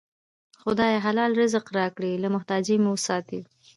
خدایه! حلال رزق راکړې، له محتاجۍ مو وساتې